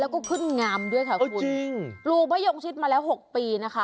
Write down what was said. แล้วก็ขึ้นงามด้วยค่ะคุณจริงปลูกมะยงชิดมาแล้วหกปีนะคะ